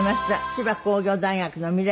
千葉工業大学の未来